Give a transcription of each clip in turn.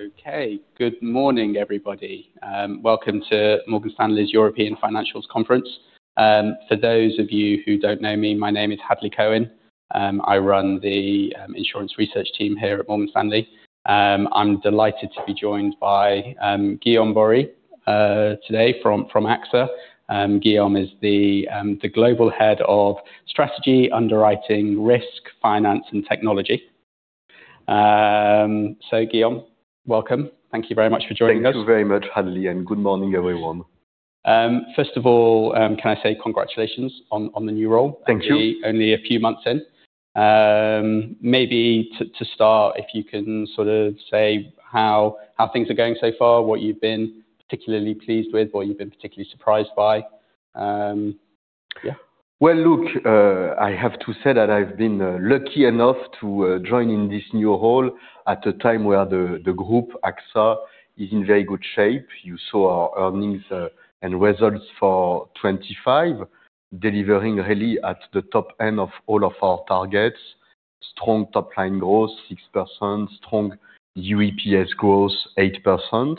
Okay. Good morning, everybody. Welcome to Morgan Stanley's European Financials Conference. For those of you who don't know me, my name is Hadley Cohen. I run the insurance research team here at Morgan Stanley. I'm delighted to be joined by Guillaume Borie today from AXA. Guillaume is the global head of strategy, underwriting, risk, finance, and technology. Guillaume, welcome. Thank you very much for joining us. Thank you very much, Hadley, and good morning, everyone. First of all, can I say congratulations on the new role. Thank you. Only a few months in. Maybe to start, if you can sort of say how things are going so far, what you've been particularly pleased with, what you've been particularly surprised by. Yeah. Well, look, I have to say that I've been lucky enough to join in this new role at a time where the group, AXA, is in very good shape. You saw our earnings and results for 2025, delivering really at the top end of all of our targets. Strong top-line growth, 6%. Strong UEPS growth, 8%.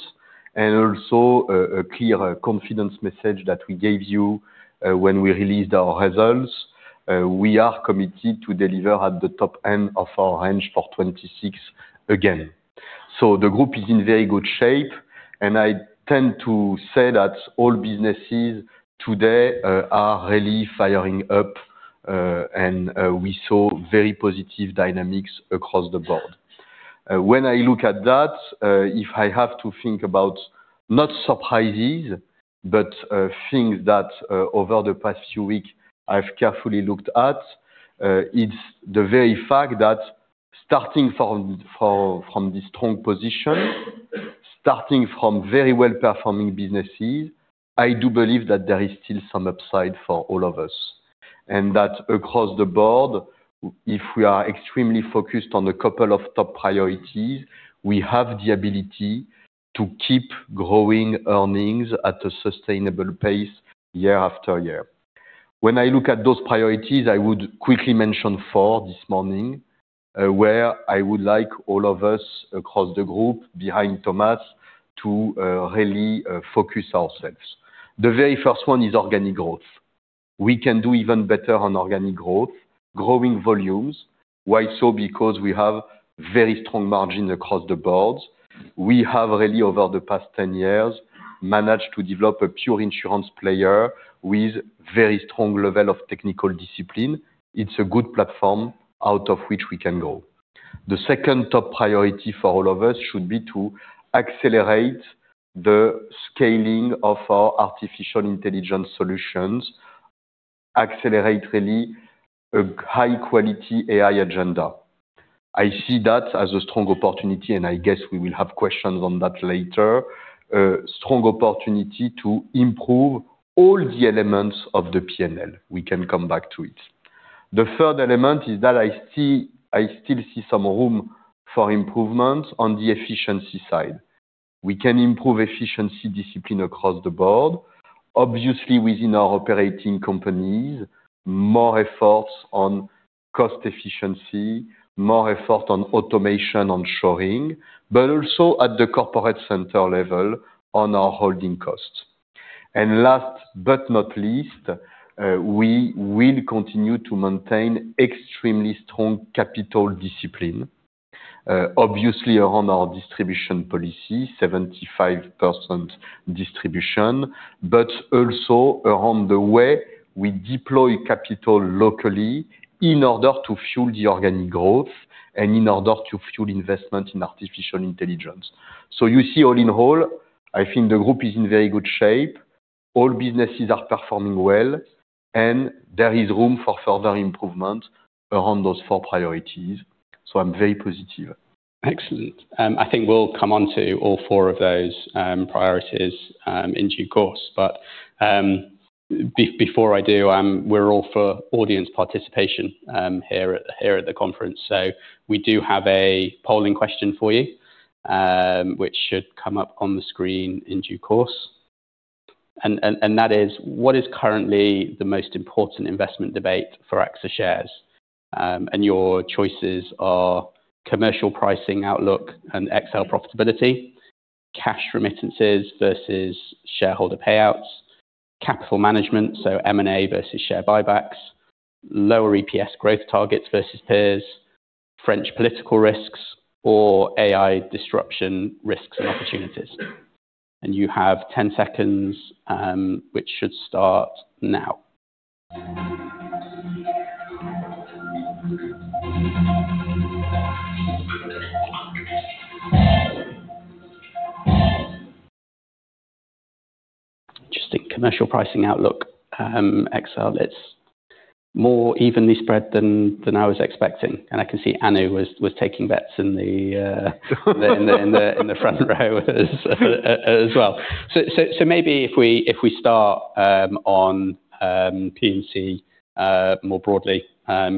Also a clear confidence message that we gave you when we released our results. We are committed to deliver at the top end of our range for 2026 again. The group is in very good shape, and I tend to say that all businesses today are really firing up, and we saw very positive dynamics across the board. When I look at that, if I have to think about not surprises, but things that over the past few weeks I've carefully looked at, it's the very fact that starting from this strong position, starting from very well-performing businesses, I do believe that there is still some upside for all of us. That across the board, if we are extremely focused on a couple of top priorities, we have the ability to keep growing earnings at a sustainable pace year-after-year. When I look at those priorities, I would quickly mention four this morning, where I would like all of us across the group behind Thomas to really focus ourselves. The very first one is organic growth. We can do even better on organic growth, growing volumes. Why so? Because we have very strong margins across the board. We have really over the past 10 years, managed to develop a pure insurance player with very strong level of technical discipline. It's a good platform out of which we can grow. The second top priority for all of us should be to accelerate the scaling of our artificial intelligence solutions. Accelerate really a high-quality AI agenda. I see that as a strong opportunity, and I guess we will have questions on that later. A strong opportunity to improve all the elements of the P&L. We can come back to it. The third element is that I still see some room for improvement on the efficiency side. We can improve efficiency discipline across the board. Obviously, within our operating companies, more efforts on cost efficiency, more effort on automation onshoring, but also at the corporate center level on our holding costs. Last but not least, we will continue to maintain extremely strong capital discipline. Obviously around our distribution policy, 75% distribution, but also around the way we deploy capital locally in order to fuel the organic growth and in order to fuel investment in artificial intelligence. You see all in all, I think the group is in very good shape. All businesses are performing well, and there is room for further improvement around those four priorities. I'm very positive. Excellent. I think we'll come onto all four of those priorities in due course. Before I do, we're all for audience participation here at the conference. We do have a polling question for you, which should come up on the screen in due course. That is, what is currently the most important investment debate for AXA shares? Your choices are commercial pricing outlook and XL profitability, cash remittances versus shareholder payouts, capital management, so M&A versus share buybacks, lower EPS growth targets versus peers, French political risks, or AI disruption risks and opportunities. You have 10 seconds, which should start now. Interesting. Commercial pricing outlook, XL. It's more evenly spread than I was expecting. I can see Anu was taking bets in the front row as well. Maybe if we start on P&C more broadly,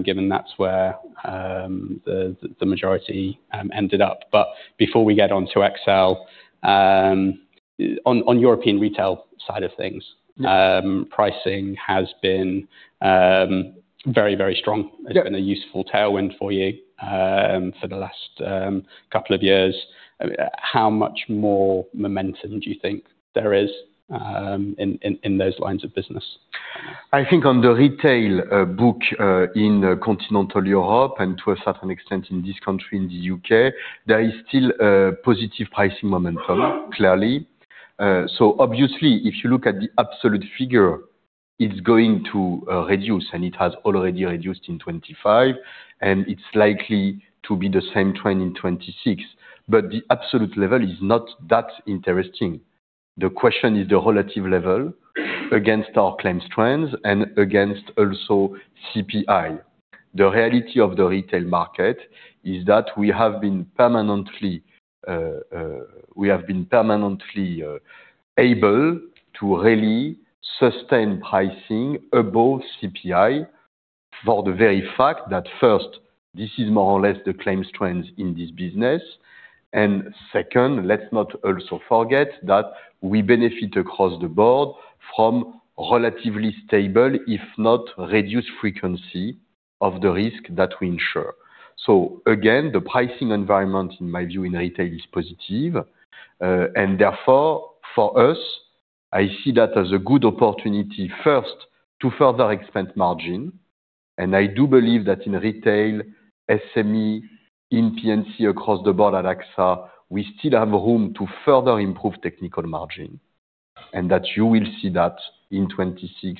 given that's where the majority ended up. Before we get onto XL on European retail side of things. Yeah. Pricing has been very, very strong. Yeah. It's been a useful tailwind for you, for the last couple of years. How much more momentum do you think there is in those lines of business? I think on the retail book in continental Europe and to a certain extent in this country, in the UK, there is still a positive pricing momentum clearly. Obviously if you look at the absolute figure, it's going to reduce and it has already reduced in 2025, and it's likely to be the same trend in 2026. The absolute level is not that interesting. The question is the relative level against our claims trends and against also CPI. The reality of the retail market is that we have been permanently able to really sustain pricing above CPI for the very fact that first, this is more or less the claims trends in this business. Second, let's not also forget that we benefit across the board from relatively stable if not reduced frequency of the risk that we insure. Again, the pricing environment in my view in retail is positive. Therefore for us, I see that as a good opportunity first to further expand margin. I do believe that in retail SME, in P&C across the board at AXA, we still have room to further improve technical margin, and that you will see that in 2026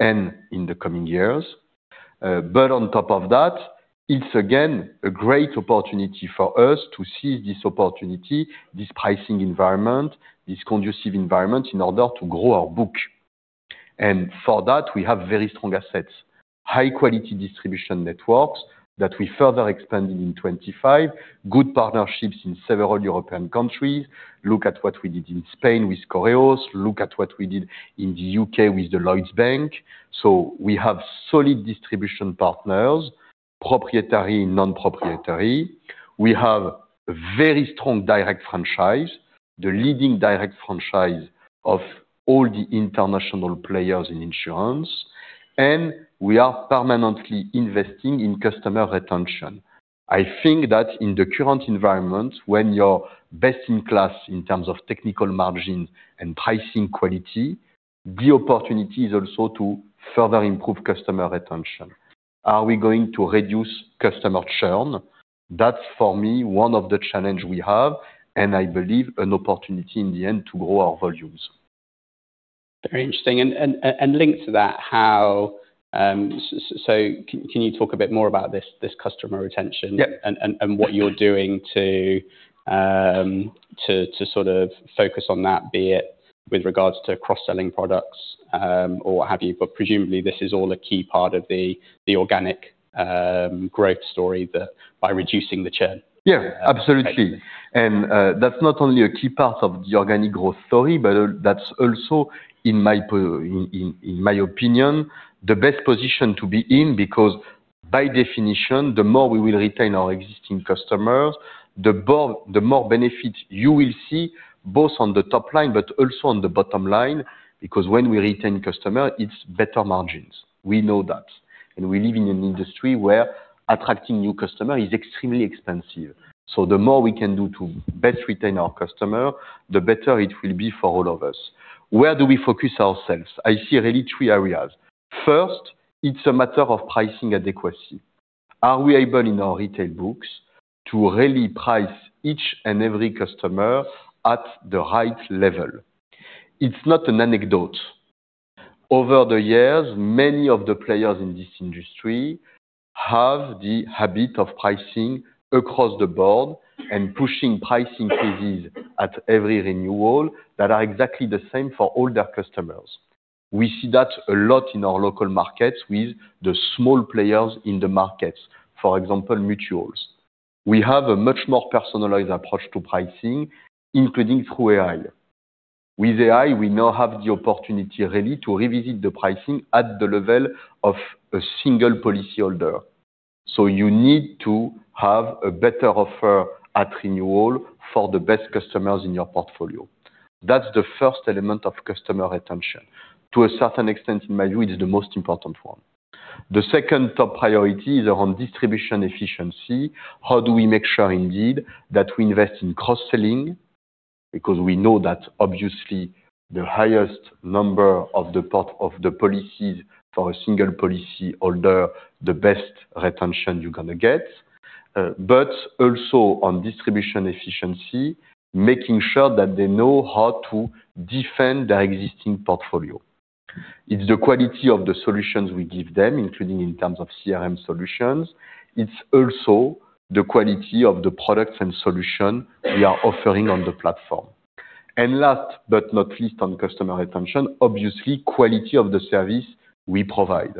and in the coming years. On top of that, it's again, a great opportunity for us to seize this opportunity, this pricing environment, this conducive environment in order to grow our book. For that we have very strong assets, high quality distribution networks that we further expanded in 2025, good partnerships in several European countries. Look at what we did in Spain with Correos. Look at what we did in the UK with the Lloyds Bank. We have solid distribution partners, proprietary, non-proprietary. We have very strong direct franchise, the leading direct franchise of all the international players in insurance, and we are permanently investing in customer retention. I think that in the current environment when you are best in class in terms of technical margin and pricing quality, the opportunity is also to further improve customer retention. Are we going to reduce customer churn? That's for me one of the challenge we have, and I believe an opportunity in the end to grow our volumes. Very interesting. Linked to that, how can you talk a bit more about this customer retention? Yeah. What you're doing to sort of focus on that, be it with regards to cross-selling products, or what have you. Presumably this is all a key part of the organic growth story by reducing the churn. Yeah, absolutely. That's not only a key part of the organic growth story, but that's also in my opinion the best position to be in. Because by definition, the more we will retain our existing customers, the more benefit you will see both on the top line but also on the bottom line. Because when we retain customer, it's better margins. We know that. We live in an industry where attracting new customer is extremely expensive. The more we can do to best retain our customer, the better it will be for all of us. Where do we focus ourselves? I see really three areas. First, it's a matter of pricing adequacy. Are we able in our retail books to really price each and every customer at the right level? It's not an anecdote. Over the years, many of the players in this industry have the habit of pricing across the board and pushing pricing increases at every renewal that are exactly the same for all their customers. We see that a lot in our local markets with the small players in the markets, for example, Mutuals. We have a much more personalized approach to pricing, including through AI. With AI, we now have the opportunity really to revisit the pricing at the level of a single policy holder. You need to have a better offer at renewal for the best customers in your portfolio. That's the first element of customer retention. To a certain extent, in my view, it is the most important one. The second top priority is around distribution efficiency. How do we make sure indeed that we invest in cross-selling? Because we know that obviously the highest number of policies per single policy holder, the best retention you're gonna get. But also on distribution efficiency, making sure that they know how to defend their existing portfolio. It's the quality of the solutions we give them, including in terms of CRM solutions. It's also the quality of the products and solution we are offering on the platform. Last but not least, on customer retention, obviously quality of the service we provide.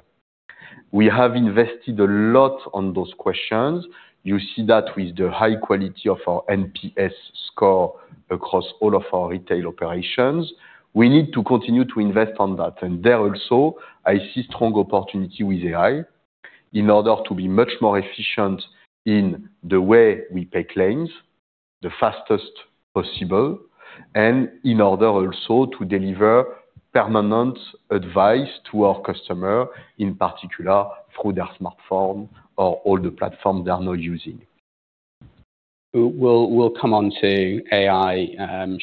We have invested a lot on those questions. You see that with the high quality of our NPS score across all of our retail operations. We need to continue to invest on that. There also I see strong opportunity with AI. In order to be much more efficient in the way we pay claims, the fastest possible, and in order also to deliver personal advice to our customer, in particular through their smartphone or all the platform they are now using. We'll come on to AI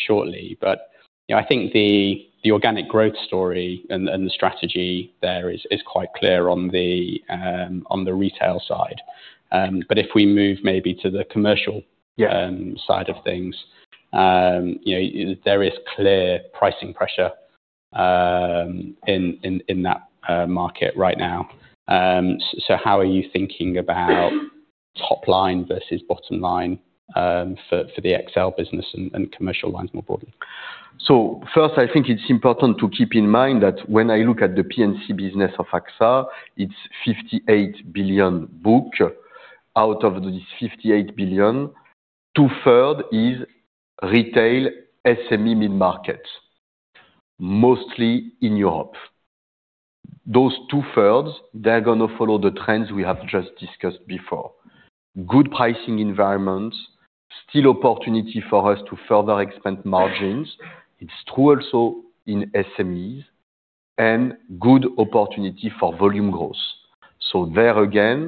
shortly. You know, I think the organic growth story and the strategy there is quite clear on the retail side. If we move maybe to the commercial- Yeah. side of things, you know, there is clear pricing pressure in that market right now. How are you thinking about top line versus bottom line for the XL business and commercial lines more broadly? First, I think it's important to keep in mind that when I look at the P&C business of AXA, it's 58 billion book. Out of this 58 billion, 2/3 is retail SME mid-market, mostly in Europe. Those 2/3, they're gonna follow the trends we have just discussed before. Good pricing environment, still opportunity for us to further expand margins. It's true also in SMEs, and good opportunity for volume growth. There again,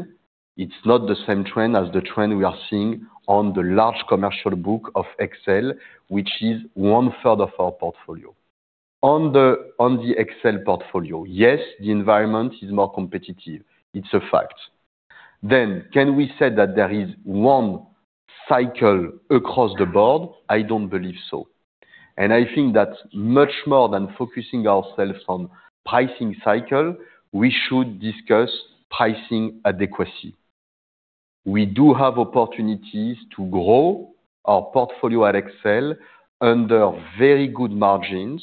it's not the same trend as the trend we are seeing on the large commercial book of XL, which is 1/3 of our portfolio. On the XL portfolio, yes, the environment is more competitive. It's a fact. Can we say that there is one cycle across the board? I don't believe so. I think that much more than focusing ourselves on pricing cycle, we should discuss pricing adequacy. We do have opportunities to grow our portfolio at XL under very good margins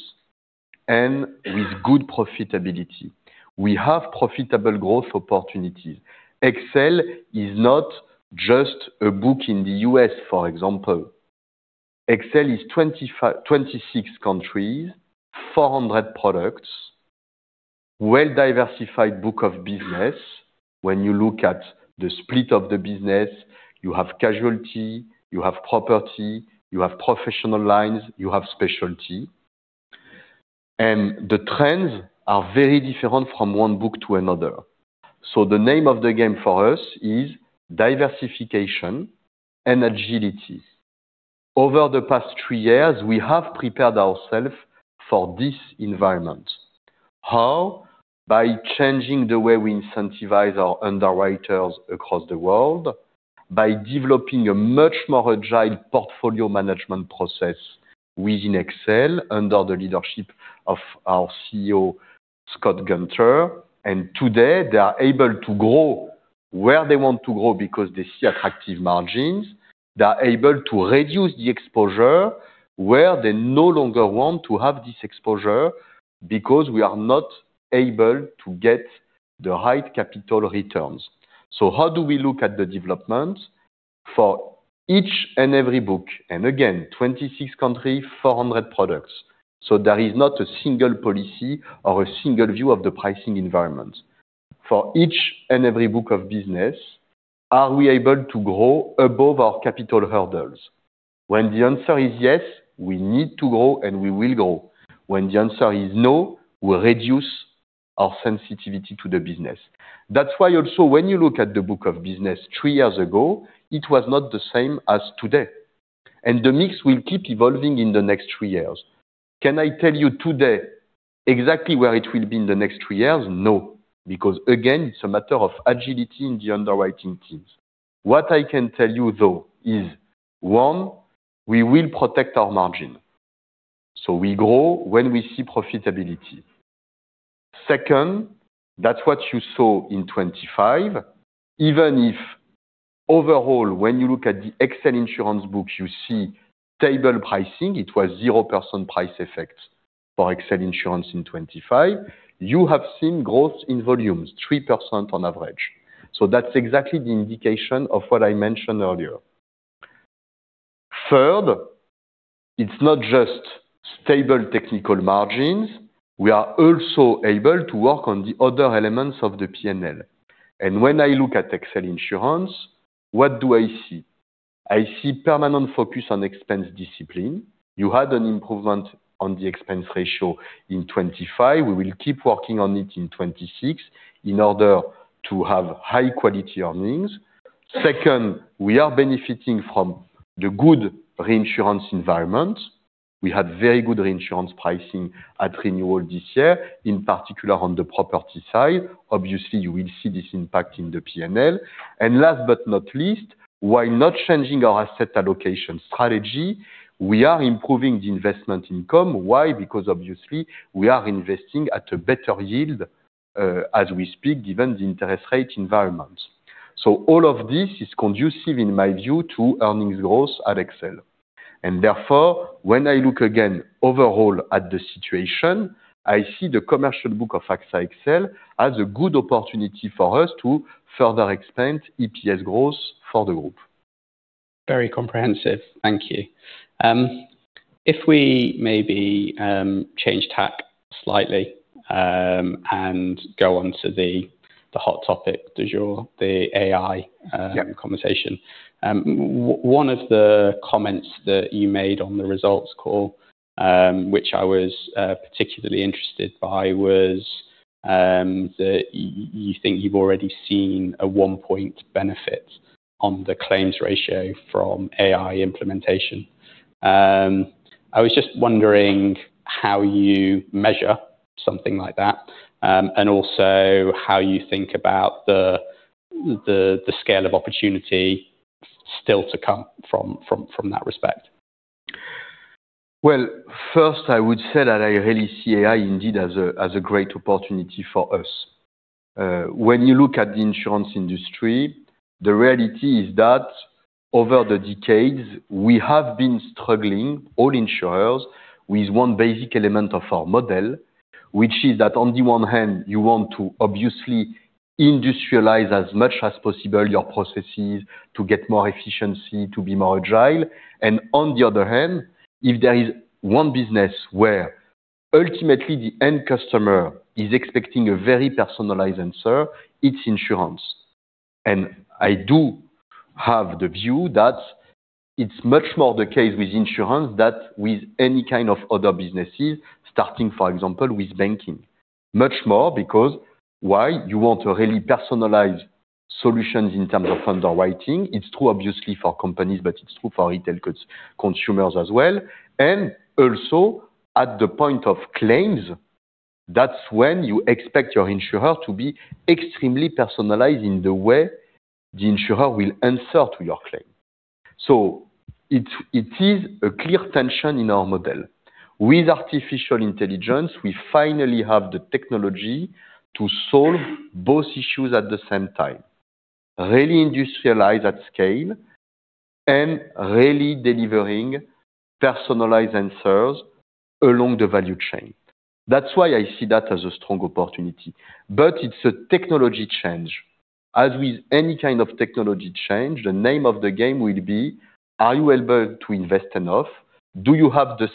and with good profitability. We have profitable growth opportunities. XL is not just a book in the U.S., for example. XL is 26 countries, 400 products, well-diversified book of business. When you look at the split of the business, you have casualty, you have property, you have professional lines, you have specialty. The trends are very different from one book to another. The name of the game for us is diversification and agility. Over the past 3 years, we have prepared ourselves for this environment. How? By changing the way we incentivize our underwriters across the world, by developing a much more agile portfolio management process within XL under the leadership of our CEO, Scott Gunter. Today they are able to grow where they want to grow because they see attractive margins. They are able to reduce the exposure where they no longer want to have this exposure because we are not able to get the right capital returns. How do we look at the development? For each and every book, and again, 26 countries, 400 products. There is not a single policy or a single view of the pricing environment. For each and every book of business, are we able to grow above our capital hurdles? When the answer is yes, we need to grow, and we will grow. When the answer is no, we'll reduce our sensitivity to the business. That's why also when you look at the book of business 3 years ago, it was not the same as today. The mix will keep evolving in the next three years. Can I tell you today exactly where it will be in the next three years? No, because again, it's a matter of agility in the underwriting teams. What I can tell you though is, one, we will protect our margin. So we grow when we see profitability. Second, that's what you saw in 2025. Even if overall, when you look at the XL Insurance books, you see stable pricing. It was 0% price effect for XL Insurance in 2025. You have seen growth in volumes 3% on average. So that's exactly the indication of what I mentioned earlier. Third, it's not just stable technical margins. We are also able to work on the other elements of the P&L. When I look at XL Insurance, what do I see? I see permanent focus on expense discipline. You had an improvement on the expense ratio in 2025. We will keep working on it in 2026 in order to have high-quality earnings. Second, we are benefiting from the good reinsurance environment. We had very good reinsurance pricing at renewal this year, in particular on the property side. Obviously, you will see this impact in the P&L. Last but not least, while not changing our asset allocation strategy, we are improving the investment income. Why? Because obviously we are investing at a better yield, as we speak, given the interest rate environment. All of this is conducive, in my view, to earnings growth at XL. Therefore, when I look again overall at the situation, I see the commercial book of AXA XL as a good opportunity for us to further expand EPS growth for the group. Very comprehensive. Thank you. If we maybe change tack slightly and go on to the hot topic du jour, the AI- Yeah Conversation. One of the comments that you made on the results call, which I was particularly interested by, was that you think you've already seen a 1 point benefit on the claims ratio from AI implementation. I was just wondering how you measure something like that, and also how you think about the scale of opportunity still to come from that respect. Well, first, I would say that I really see AI indeed as a great opportunity for us. When you look at the insurance industry, the reality is that over the decades, we have been struggling, all insurers, with one basic element of our model, which is that on the one hand, you want to obviously industrialize as much as possible your processes to get more efficiency, to be more agile. On the other hand, if there is one business where ultimately the end customer is expecting a very personalized answer, it's insurance. I do have the view that it's much more the case with insurance than with any kind of other businesses starting, for example, with banking. Much more because why you want to really personalize solutions in terms of underwriting. It's true obviously for companies, but it's true for retail consumers as well. Also at the point of claims, that's when you expect your insurer to be extremely personalized in the way the insurer will answer to your claim. It is a clear tension in our model. With artificial intelligence, we finally have the technology to solve both issues at the same time, really industrialize at scale and really delivering personalized answers along the value chain. That's why I see that as a strong opportunity. It's a technology change. As with any kind of technology change, the name of the game will be, are you able to invest enough? Do you have the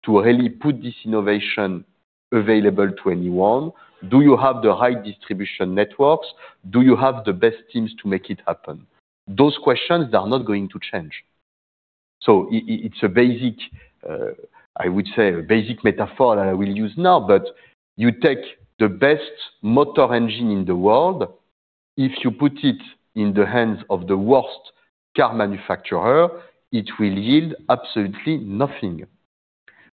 scale to really put this innovation available to anyone? Do you have the right distribution networks? Do you have the best teams to make it happen? Those questions are not going to change. It's a basic, I would say a basic metaphor that I will use now, but you take the best motor engine in the world. If you put it in the hands of the worst car manufacturer, it will yield absolutely nothing.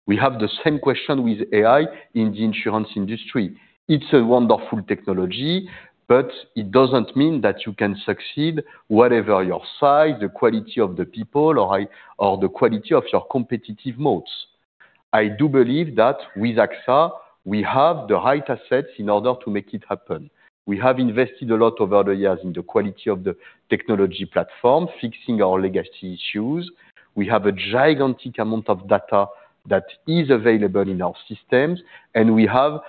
We have the same question with AI in the insurance industry. It's a wonderful technology, but it doesn't mean that you can succeed whatever your size, the quality of the people or the quality of your competitive moats. I do believe that with AXA, we have the right assets in order to make it happen. We have invested a lot over the years in the quality of the technology platform, fixing our legacy issues. We have a gigantic amount of data that is available in our systems, and we have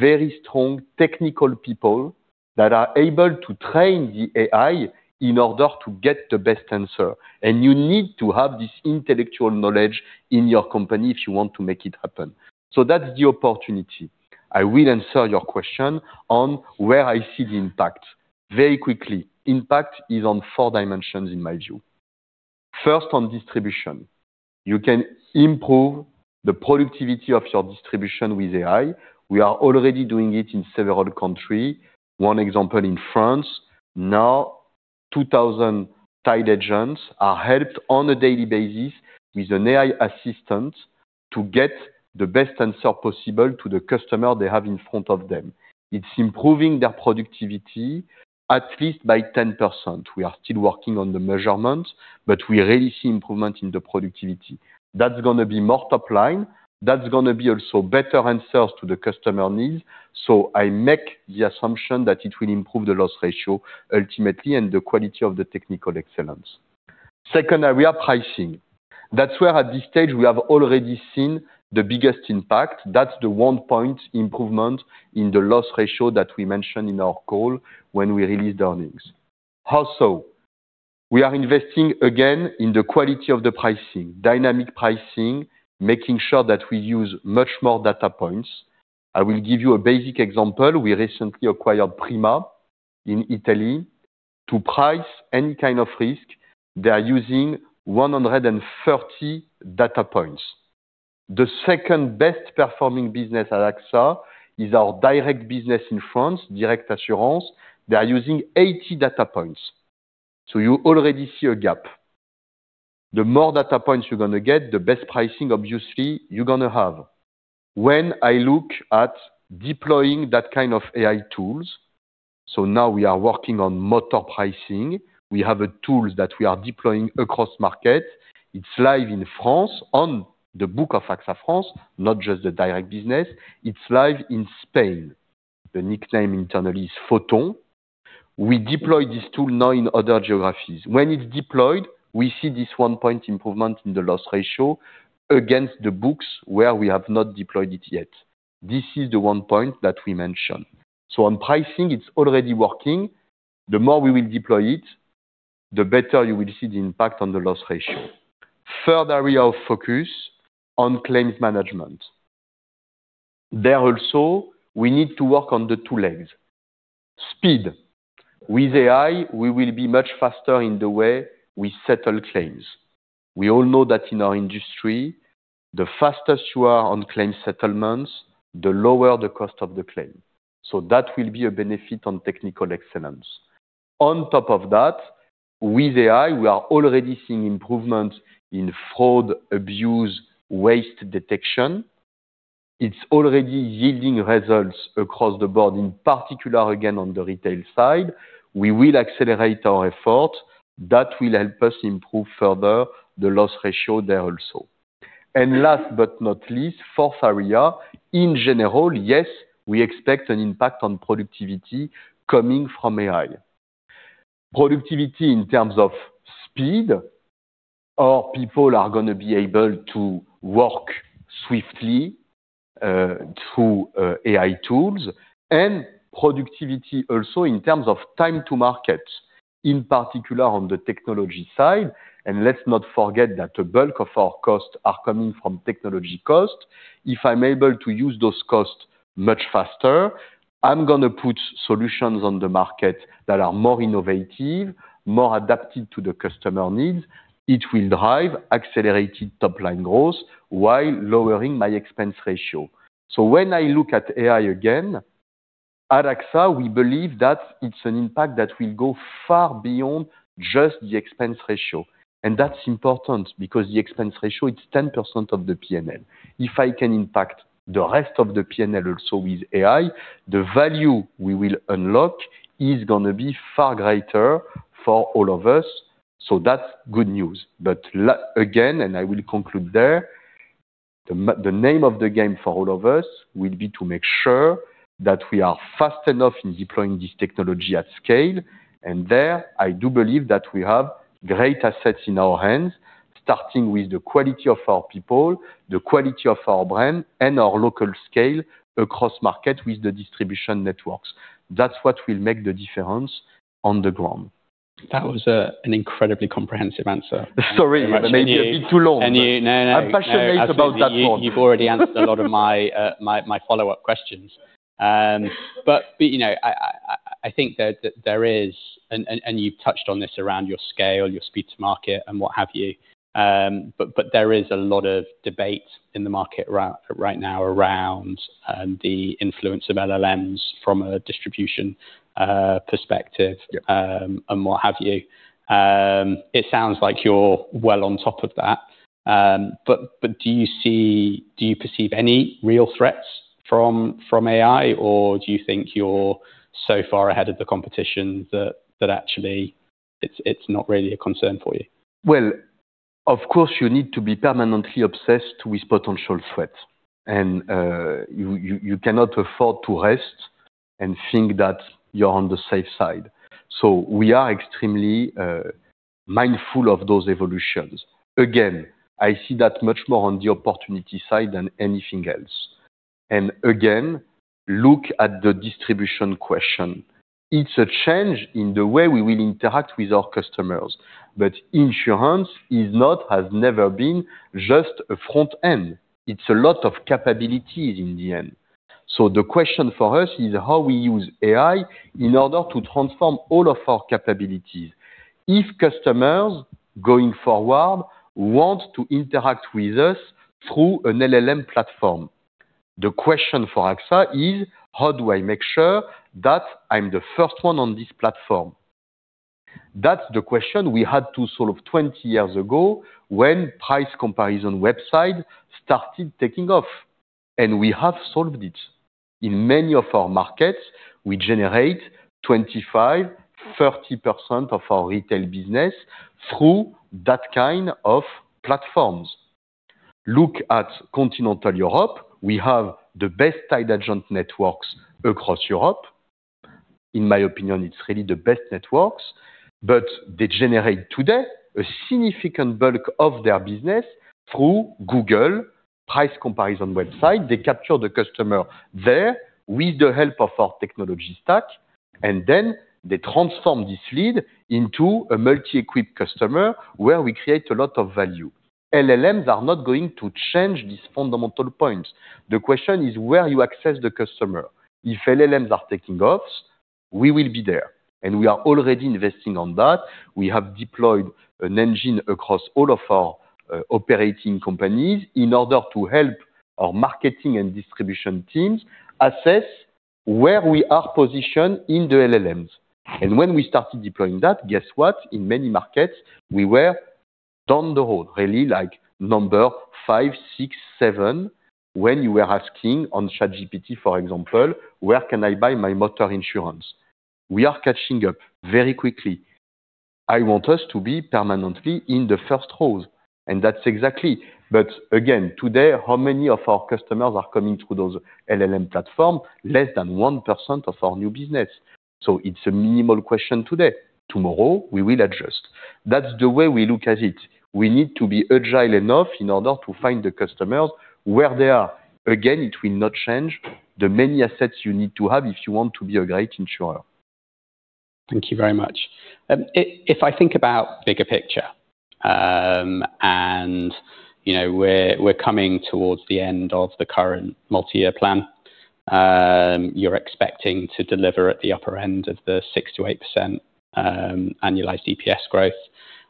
very strong technical people that are able to train the AI in order to get the best answer. You need to have this intellectual knowledge in your company if you want to make it happen. That's the opportunity. I will answer your question on where I see the impact. Very quickly. Impact is on four dimensions in my view. First, on distribution. You can improve the productivity of your distribution with AI. We are already doing it in several countries. One example in France, now 2,000 tied agents are helped on a daily basis with an AI assistant to get the best answer possible to the customer they have in front of them. It's improving their productivity at least by 10%. We are still working on the measurements, but we really see improvement in the productivity. That's gonna be more top line. That's gonna be also better answers to the customer needs. I make the assumption that it will improve the loss ratio ultimately and the quality of the technical excellence. Second area, pricing. That's where at this stage we have already seen the biggest impact. That's the 1-point improvement in the loss ratio that we mentioned in our call when we released earnings. Also, we are investing again in the quality of the pricing, dynamic pricing, making sure that we use much more data points. I will give you a basic example. We recently acquired Prima in Italy. To price any kind of risk, they are using 130 data points. The second best performing business at AXA is our direct business in France, Direct Assurance. They are using 80 data points. You already see a gap. The more data points you're gonna get, the best pricing obviously you're gonna have. When I look at deploying that kind of AI tools, now we are working on motor pricing. We have a tool that we are deploying across market. It's live in France on the book of AXA France, not just the direct business. It's live in Spain. The nickname internally is Photon. We deploy this tool now in other geographies. When it's deployed, we see this 1 point improvement in the loss ratio against the books where we have not deployed it yet. This is the 1 point that we mentioned. On pricing, it's already working. The more we will deploy it, the better you will see the impact on the loss ratio. Third area of focus on claims management. There also, we need to work on the two legs. Speed. With AI, we will be much faster in the way we settle claims. We all know that in our industry, the faster you are on claim settlements, the lower the cost of the claim. So that will be a benefit on technical excellence. On top of that, with AI, we are already seeing improvements in fraud, abuse, waste detection. It's already yielding results across the board, in particular, again, on the retail side. We will accelerate our effort. That will help us improve further the loss ratio there also. Last but not least, fourth area. In general, yes, we expect an impact on productivity coming from AI. Productivity in terms of speed. Our people are gonna be able to work swiftly through AI tools and productivity also in terms of time to market, in particular on the technology side. Let's not forget that a bulk of our costs are coming from technology costs. If I'm able to use those costs much faster, I'm gonna put solutions on the market that are more innovative, more adapted to the customer needs. It will drive accelerated top-line growth while lowering my expense ratio. When I look at AI, again, at AXA, we believe that it's an impact that will go far beyond just the expense ratio. That's important because the expense ratio, it's 10% of the P&L. If I can impact the rest of the P&L also with AI, the value we will unlock is gonna be far greater for all of us. That's good news. Again, and I will conclude there, the name of the game for all of us will be to make sure that we are fast enough in deploying this technology at scale. There, I do believe that we have great assets in our hands, starting with the quality of our people, the quality of our brand, and our local scale across markets with the distribution networks. That's what will make the difference on the ground. That was an incredibly comprehensive answer. Sorry if it may be a bit too long. No, no. I'm passionate about that one. You've already answered a lot of my follow-up questions. You know, I think there is and you've touched on this around your scale, your speed to market and what have you, but there is a lot of debate in the market right now around the influence of LLMs from a distribution perspective, and what have you. It sounds like you're well on top of that. Do you perceive any real threats from AI, or do you think you're so far ahead of the competition that actually it's not really a concern for you? Well, of course, you need to be permanently obsessed with potential threats, and you cannot afford to rest and think that you're on the safe side. We are extremely mindful of those evolutions. Again, I see that much more on the opportunity side than anything else. Again, look at the distribution question. It's a change in the way we will interact with our customers. Insurance is not, has never been just a front end. It's a lot of capabilities in the end. The question for us is how we use AI in order to transform all of our capabilities. If customers going forward want to interact with us through an LLM platform, the question for AXA is, how do I make sure that I'm the first one on this platform? That's the question we had to solve 20 years ago when price comparison website started taking off, and we have solved it. In many of our markets, we generate 25%-30% of our retail business through that kind of platforms. Look at continental Europe. We have the best tied agent networks across Europe. In my opinion, it's really the best networks. They generate today a significant bulk of their business through Google price comparison website. They capture the customer there with the help of our technology stack, and then they transform this lead into a multi-equipped customer where we create a lot of value. LLMs are not going to change these fundamental points. The question is where you access the customer. If LLMs are taking off, we will be there, and we are already investing on that. We have deployed an engine across all of our operating companies in order to help our marketing and distribution teams assess where we are positioned in the LLMs. When we started deploying that, guess what? In many markets, we were down the road really like number 5, 6, 7 when you were asking on ChatGPT, for example, where can I buy my motor insurance? We are catching up very quickly. I want us to be permanently in the first rows, and that's exactly. Again, today, how many of our customers are coming through those LLM platform? Less than 1% of our new business. It's a minimal question today. Tomorrow, we will adjust. That's the way we look at it. We need to be agile enough in order to find the customers where they are. Again, it will not change the many assets you need to have if you want to be a great insurer. Thank you very much. If I think about bigger picture, you know, we're coming towards the end of the current multi-year plan. You're expecting to deliver at the upper end of the 6%-8% annualized EPS growth.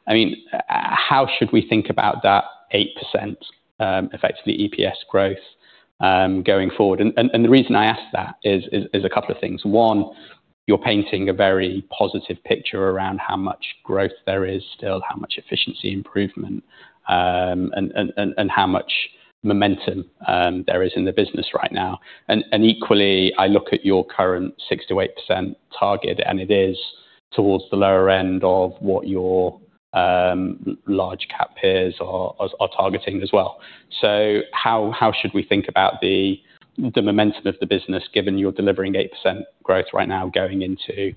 I mean, how should we think about that 8% effectively EPS growth going forward? The reason I ask that is a couple of things. One, you're painting a very positive picture around how much growth there is still, how much efficiency improvement, and how much momentum there is in the business right now. Equally, I look at your current 6%-8% target, and it is towards the lower end of what your large cap peers are targeting as well. How should we think about the momentum of the business given you're delivering 8% growth right now going into?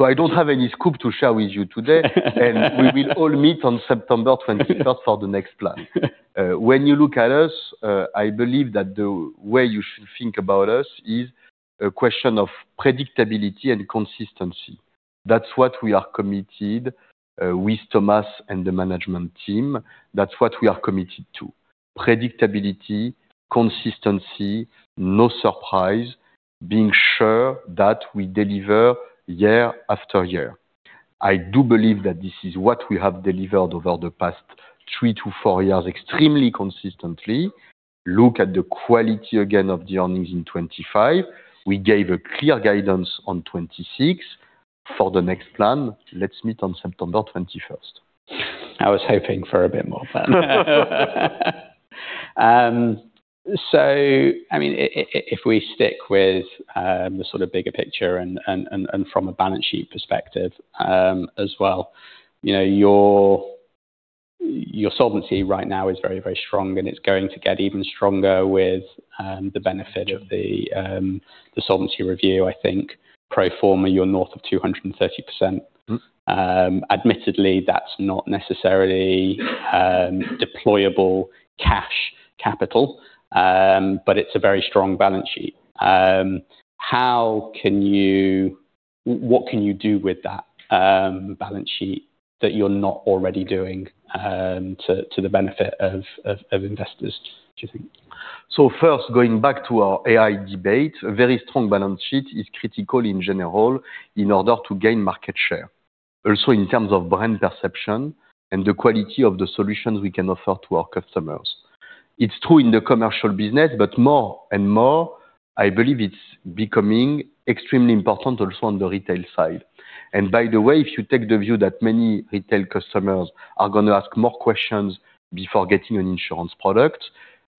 I don't have any scoop to share with you today. We will all meet on September 21st for the next plan. When you look at us, I believe that the way you should think about us is a question of predictability and consistency. That's what we are committed with Thomas and the management team. That's what we are committed to. Predictability, consistency, no surprise, being sure that we deliver year-after-year. I do believe that this is what we have delivered over the past three to four years extremely consistently. Look at the quality again of the earnings in 2025. We gave a clear guidance on 2026. For the next plan, let's meet on September 21st. I was hoping for a bit more than that. I mean, if we stick with the sort of bigger picture and from a balance sheet perspective, as well, you know, your solvency right now is very, very strong, and it's going to get even stronger with the benefit of the solvency review, I think. Pro forma, you're north of 230%. Mm-hmm. Admittedly, that's not necessarily deployable cash capital, but it's a very strong balance sheet. What can you do with that balance sheet that you're not already doing to the benefit of investors, do you think? First, going back to our AI debate, a very strong balance sheet is critical in general in order to gain market share. Also, in terms of brand perception and the quality of the solutions we can offer to our customers. It's true in the commercial business, but more and more I believe it's becoming extremely important also on the retail side. By the way, if you take the view that many retail customers are gonna ask more questions before getting an insurance product,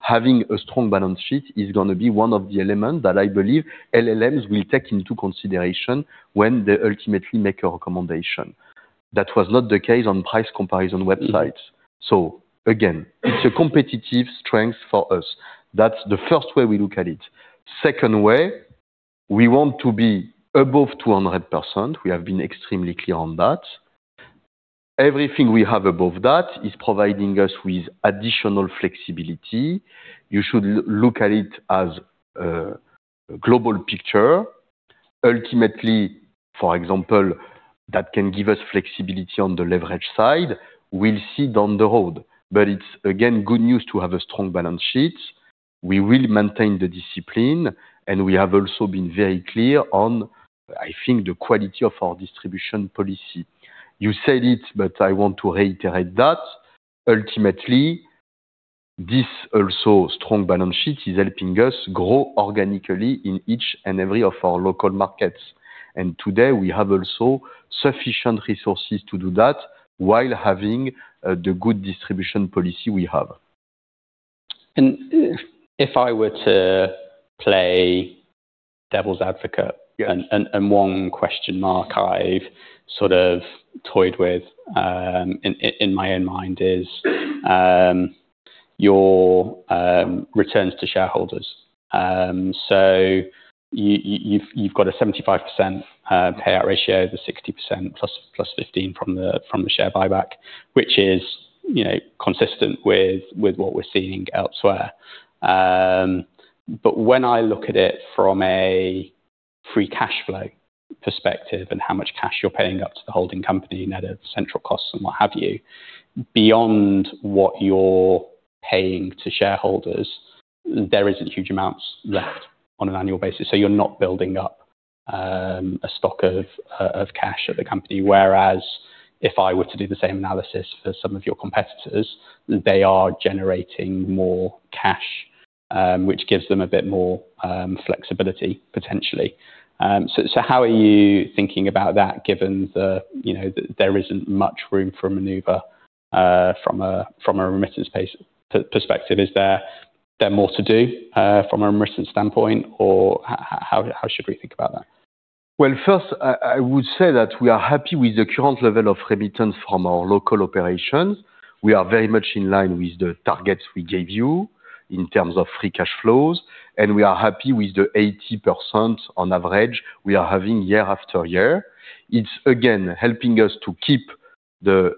having a strong balance sheet is gonna be one of the elements that I believe LLMs will take into consideration when they ultimately make a recommendation. That was not the case on price comparison websites. Again, it's a competitive strength for us. That's the first way we look at it. Second way, we want to be above 200%. We have been extremely clear on that. Everything we have above that is providing us with additional flexibility. You should look at it as a global picture. Ultimately, for example, that can give us flexibility on the leverage side. We'll see down the road. But it's, again, good news to have a strong balance sheet. We will maintain the discipline, and we have also been very clear on, I think, the quality of our distribution policy. You said it, but I want to reiterate that. Ultimately, this also strong balance sheet is helping us grow organically in each and every of our local markets. Today, we have also sufficient resources to do that while having the good distribution policy we have. If I were to play devil's advocate. Yeah. One question, Mark, I've sort of toyed with in my own mind is your returns to shareholders. You've got a 75% payout ratio, the 60% plus 15 from the share buyback, which is, you know, consistent with what we're seeing elsewhere. But when I look at it from a free cash flow perspective and how much cash you're paying up to the holding company net of central costs and what have you, beyond what you're paying to shareholders, there isn't huge amounts left on an annual basis, so you're not building up a stock of cash at the company. Whereas if I were to do the same analysis for some of your competitors, they are generating more cash, which gives them a bit more flexibility potentially. How are you thinking about that given the, you know, that there isn't much room for maneuver from a remittance perspective? Is there more to do from a remittance standpoint? Or how should we think about that? Well, first, I would say that we are happy with the current level of remittance from our local operations. We are very much in line with the targets we gave you in terms of free cash flows, and we are happy with the 80% on average we are having year-after-year. It's again helping us to keep the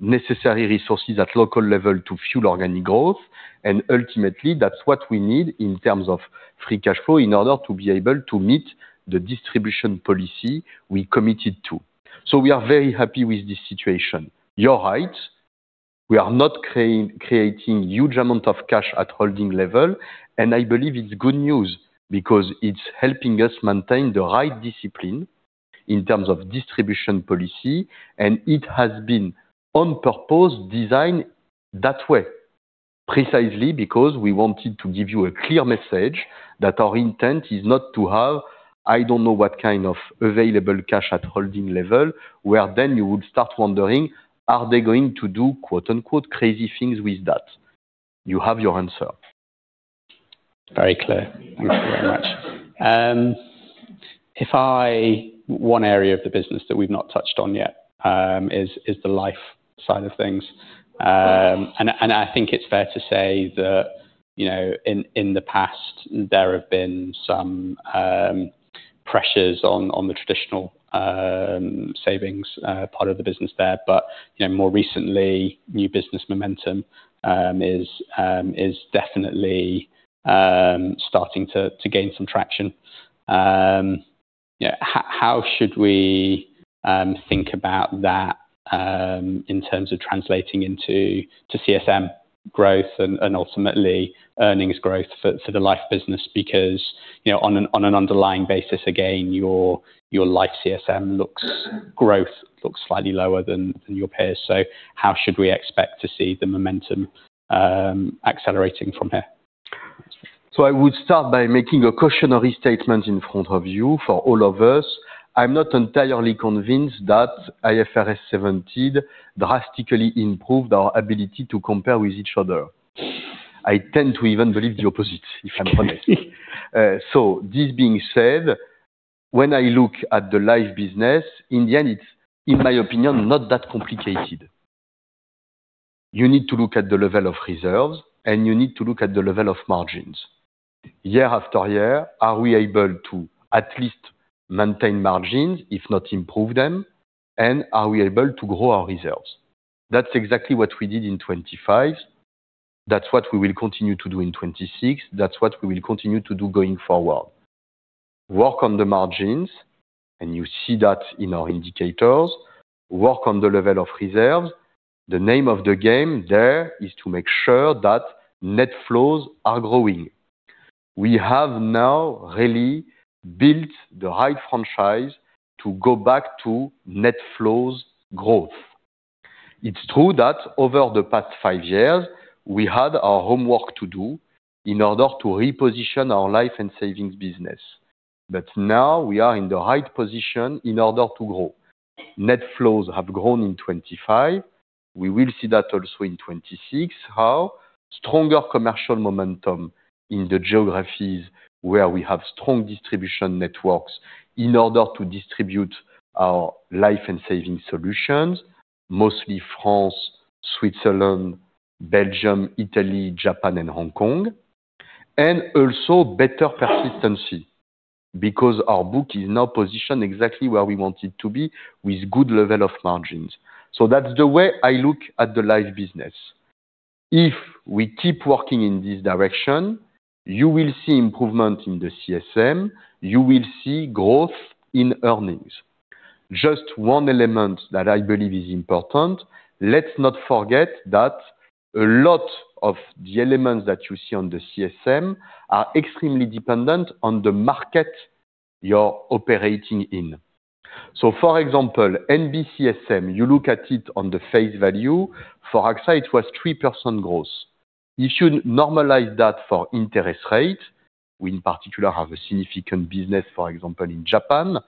necessary resources at local level to fuel organic growth. Ultimately, that's what we need in terms of free cash flow in order to be able to meet the distribution policy we committed to. We are very happy with this situation. You're right, we are not creating huge amount of cash at holding level, and I believe it's good news because it's helping us maintain the right discipline in terms of distribution policy, and it has been on purpose designed that way, precisely because we wanted to give you a clear message that our intent is not to have, I don't know what kind of available cash at holding level, where then you would start wondering, are they going to do quote-unquote crazy things with that. You have your answer. Very clear. Thank you very much. One area of the business that we've not touched on yet is the life side of things. I think it's fair to say that, you know, in the past, there have been some pressures on the traditional savings part of the business there. You know, more recently, new business momentum is definitely starting to gain some traction. How should we think about that in terms of translating into CSM growth and ultimately earnings growth for the life business? Because, you know, on an underlying basis, again, your life CSM growth looks slightly lower than your peers. How should we expect to see the momentum accelerating from here? I would start by making a cautionary statement in front of you for all of us. I'm not entirely convinced that IFRS 17 drastically improved our ability to compare with each other. I tend to even believe the opposite, if I'm honest. This being said, when I look at the life business, in the end, it's, in my opinion, not that complicated. You need to look at the level of reserves, and you need to look at the level of margins. Year-after-year, are we able to at least maintain margins, if not improve them, and are we able to grow our results? That's exactly what we did in 2025. That's what we will continue to do in 2026. That's what we will continue to do going forward. Work on the margins, and you see that in our indicators. Work on the level of reserves. The name of the game there is to make sure that net flows are growing. We have now really built the right franchise to go back to net flows growth. It's true that over the past five years, we had our homework to do in order to reposition our life and savings business. Now we are in the right position in order to grow. Net flows have grown in 2025. We will see that also in 2026. How? Stronger commercial momentum in the geographies where we have strong distribution networks in order to distribute our life and savings solutions, mostly France, Switzerland, Belgium, Italy, Japan, and Hong Kong. Also better persistency, because our book is now positioned exactly where we want it to be with good level of margins. That's the way I look at the life business. If we keep working in this direction, you will see improvement in the CSM, you will see growth in earnings. Just one element that I believe is important, let's not forget that a lot of the elements that you see on the CSM are extremely dependent on the market you're operating in. For example, NBCSM, you look at it on the face value. For AXA, it was 3% growth. If you normalize that for interest rate, we in particular have a significant business, for example, in Japan.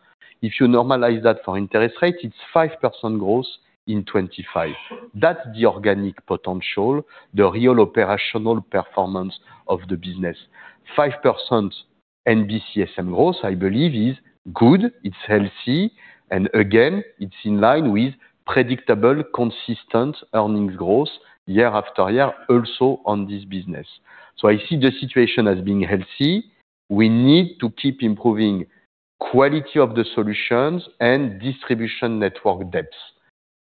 If you normalize that for interest rate, it's 5% growth in 2025. That's the organic potential, the real operational performance of the business. 5% NBCSM growth, I believe, is good, it's healthy, and again, it's in line with predictable, consistent earnings growth year-after-year, also on this business. I see the situation as being healthy. We need to keep improving quality of the solutions and distribution network depths.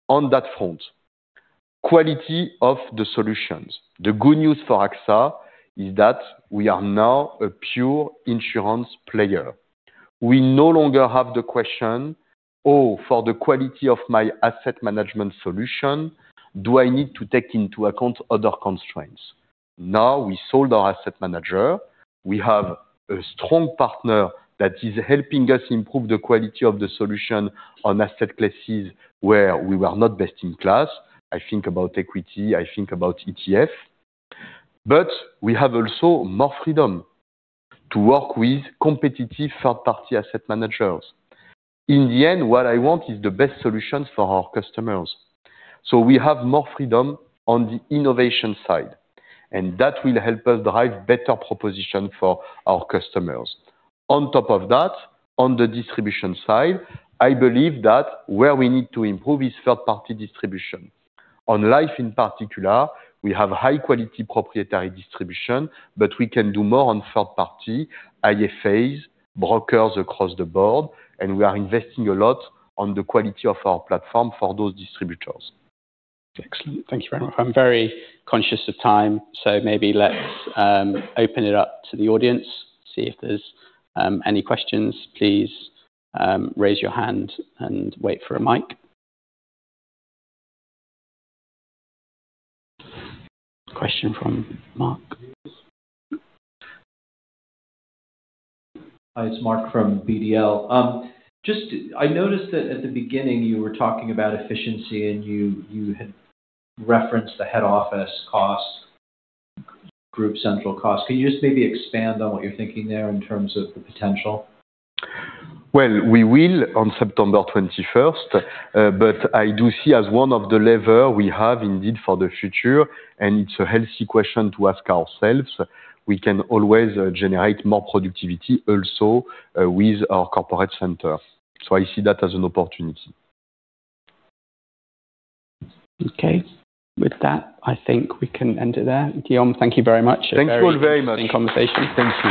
On that front, quality of the solutions. The good news for AXA is that we are now a pure insurance player. We no longer have the question, "Oh, for the quality of my asset management solution, do I need to take into account other constraints?" Now, we sold our asset manager. We have a strong partner that is helping us improve the quality of the solution on asset classes where we were not best in class. I think about equity, I think about ETF. But we have also more freedom to work with competitive third-party asset managers. In the end, what I want is the best solutions for our customers. We have more freedom on the innovation side, and that will help us drive better proposition for our customers. On top of that, on the distribution side, I believe that where we need to improve is third-party distribution. On life, in particular, we have high-quality proprietary distribution, but we can do more on third-party IFAs, brokers across the board, and we are investing a lot on the quality of our platform for those distributors. Excellent. Thank you very much. I'm very conscious of time, so maybe let's open it up to the audience, see if there's any questions. Please, raise your hand and wait for a mic. Question from Mark. Hi, it's Mark from BDL. Just, I noticed that at the beginning you were talking about efficiency and you had referenced the head office cost, group central cost. Can you just maybe expand on what you're thinking there in terms of the potential? Well, we will on September 21st, but I do see as one of the leverage we have indeed for the future, and it's a healthy question to ask ourselves. We can always generate more productivity also with our corporate center. I see that as an opportunity. Okay. With that, I think we can end it there. Guillaume, thank you very much. Thank you all very much. A very interesting conversation. Thank you.